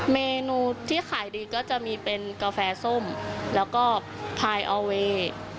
เมนูที่ขายดีก็จะมีเป็นกาแฟส้มแล้วก็พายออเวย์